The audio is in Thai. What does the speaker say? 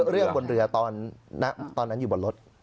เรื่องบนเรือตอนนั้นอยู่บนรถ